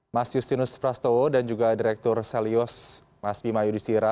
mas justinus prastowo dan juga direktur selyos mas bima yudhistira